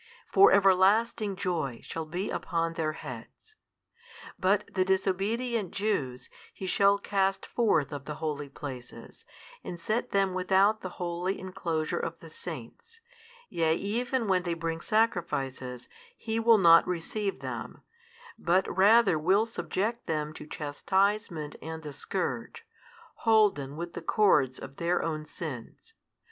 For everlasting joy shall be upon their heads. But the disobedient Jews He shall cast forth of the holy places, and set them without the holy inclosure of the saints; yea, even when they bring sacrifices He will not receive them: but rather will subject them to chastisement and the scourge, holden with the cords of their own sins.